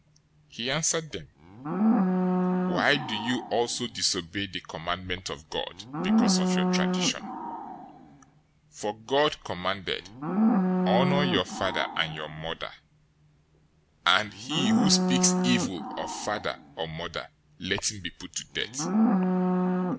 015:003 He answered them, "Why do you also disobey the commandment of God because of your tradition? 015:004 For God commanded, 'Honor your father and your mother,'{Exodus 20:12; Deuteronomy 5:16} and, 'He who speaks evil of father or mother, let him be put to death.'